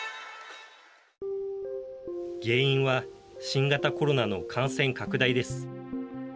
原因は、新型コロナの感染拡大です。